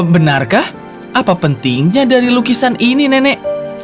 benarkah apa pentingnya dari lukisan ini nenek